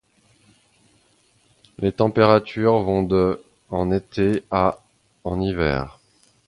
Les températures vont de en été à en hiver.